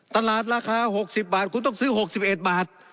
ตลาดราคาหกสิบบาทคุณต้องซื้อหกสิบเอ็ดบาท